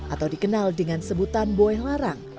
atau dikenal dengan sebutan boeh larang